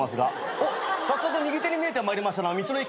おっ早速右手に見えてまいりましたのは道の駅。